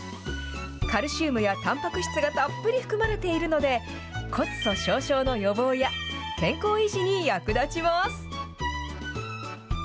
カルシウムやたんぱく質がたっぷり含まれているので、骨粗しょう症の予防や健康維持に役立ちます。